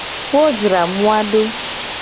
Wo jra moa do.